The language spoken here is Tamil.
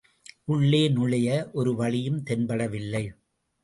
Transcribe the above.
உள்ளே நுழைய ஒருவழியும் தென்படவில்லை.